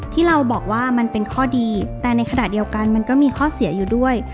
ที่เราบอกว่ามันเป็นข้อดีแต่ในขณะเดียวกันมันก็มีข้อเสียอยู่ด้วย